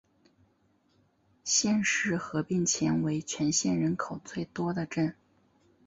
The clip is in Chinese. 县市合并前为全县人口最多的镇。